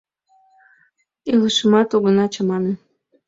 Илышымат огына чамане...